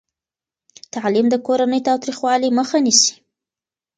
تعلیم د کورني تاوتریخوالي مخه نیسي.